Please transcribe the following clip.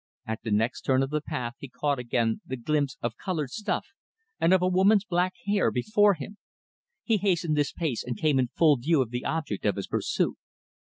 At the next turn of the path he caught again the glimpse of coloured stuff and of a woman's black hair before him. He hastened his pace and came in full view of the object of his pursuit.